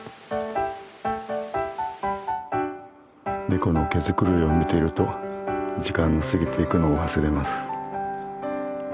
猫の毛繕いを見ていると時間が過ぎていくのを忘れます。